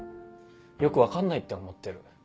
よく分かんないって思ってる。